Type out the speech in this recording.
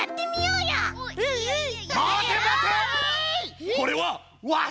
うわ！